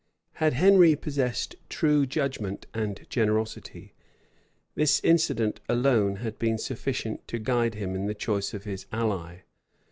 Had Henry possessed true judgment and generosity, this incident alone had been sufficient to guide him in the choice of his ally.